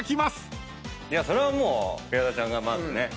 それはもう矢田ちゃんがまずね。